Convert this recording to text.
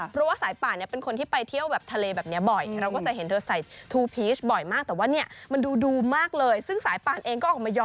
เพราะว่าสายป่านมาเป็นคนที่ไปเที่ยวแบบทะเลแบบเนี้ยบ่อย